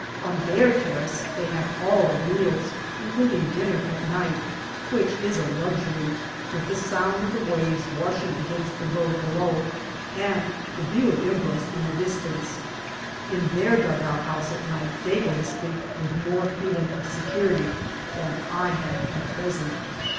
On their terrace they have all their meals, including dinner at night, which is a luxury, with the sound of the waves washing against the road below and the view of Imbros in the distance. In their dugout house at night they go to sleep with more feeling of security than I have at present.